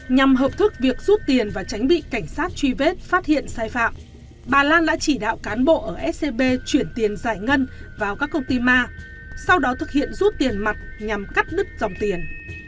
nhằm hợp thức việc rút tiền và tránh bị cảnh sát truy vết phát hiện sai phạm bà lan đã chỉ đạo cán bộ ở scb chuyển tiền giải ngân vào các công ty ma sau đó thực hiện rút tiền mặt nhằm cắt đứt dòng tiền